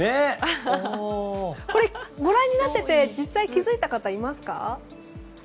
これ、ご覧になっていて実際に気づいた方いますか？